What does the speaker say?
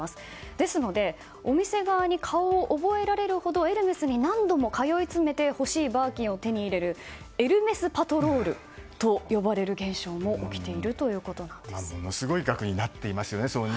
ですのでお店側に顔を覚えられるほどエルメスに何度も通い詰めて欲しいバーキンを手に入れるエルメスパトロールと呼ばれる現象も起きているその人気からものすごい額になっていますよね。